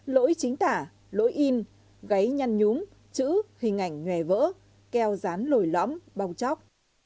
lỗi chính tả lỗi in gáy nhăn nhúng chữ hình ảnh nguề vỡ keo rán lồi lõm bong chóc